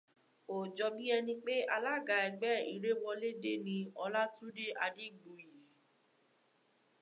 Ó jọ bí ẹni pé alága ẹgbẹ́ Iréwọlédé ni Ọlátúndé Adégbuyì